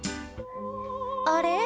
あれ？